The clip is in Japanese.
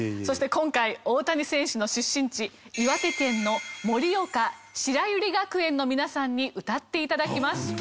そして今回大谷選手の出身地岩手県の盛岡白百合学園の皆さんに歌って頂きます。